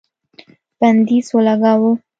بندیز ولګاوه